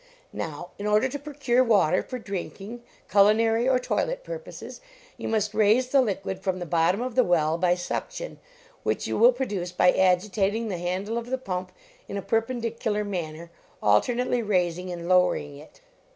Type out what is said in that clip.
Now, in order to procure water for drinking, culi nary or toilet purposes, you must raise the liquid from the bottom of the well by suction, which you will produce by agitating the 48 LEARNING TO WORK handle of the pump in a perpendicular man ner, alternately raising and lowering it."